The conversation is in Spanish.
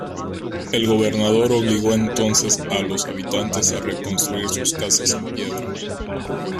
El gobernador obligó entonces a los habitantes a reconstruir sus casas en piedra.